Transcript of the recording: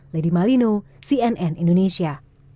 lady malino cnn indonesia